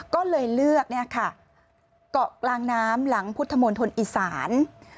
ก็เลยเลือกเกาะกลางน้ำหลังพุทธมณฑลอีสาน